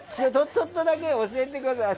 ちょっとだけ教えてください！